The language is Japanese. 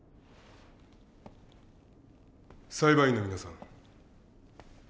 裁判員の皆さん。